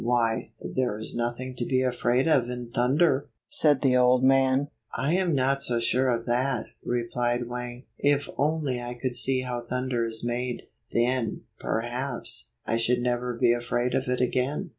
"Why, there is nothing to be afraid of in thunder!" said the old man. "I am not so sure of that," replied Wang. "If only I could see how thunder is made, then, perhaps, I should never be afraid of it again."